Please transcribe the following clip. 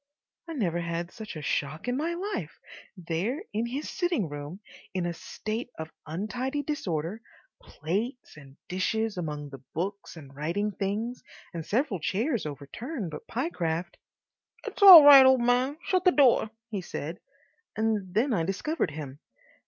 I never had such a shock in my life. There was his sitting room in a state of untidy disorder, plates and dishes among the books and writing things, and several chairs overturned, but Pyecraft— "It's all right, o' man; shut the door," he said, and then I discovered him.